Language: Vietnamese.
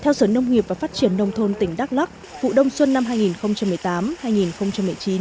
theo sở nông nghiệp và phát triển nông thôn tỉnh đắk lắc vụ đông xuân năm hai nghìn một mươi tám hai nghìn một mươi chín